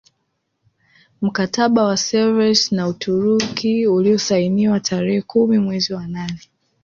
Mkataba wa Sevres na Uturuki uliozsainiwa tarehe kumi mwezi wa nane